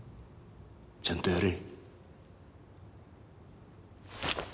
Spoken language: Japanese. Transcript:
ちゃんとやれ。